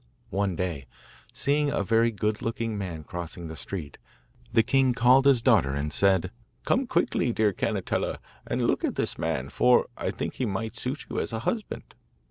One day, seeing a very good looking man crossing the street, the king called his daughter and said: 'Come quickly, dear Cannetella, and look at this man, for I think he might suit you as a husband.